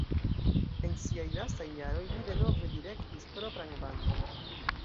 En siaj lastaj jaroj li denove direktis propran bandon.